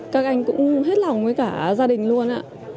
các anh cũng hết lòng với cả gia đình luôn ạ